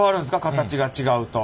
形が違うと。